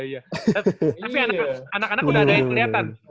tapi anak anak sudah ada yang kelihatan